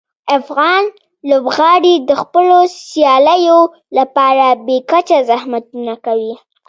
افغان لوبغاړي د خپلو سیالیو لپاره بې کچه زحمتونه کوي.